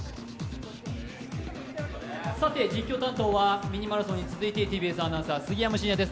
実況担当はミニマラソンに続いてＴＢＳアナウンサー、杉山真也です。